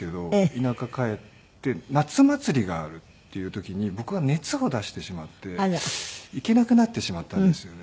田舎帰って夏祭りがあるっていう時に僕が熱を出してしまって行けなくなってしまったんですよね。